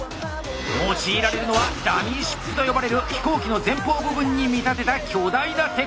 用いられるのは「ダミーシップ」と呼ばれる飛行機の前方部分に見立てた巨大な鉄骨。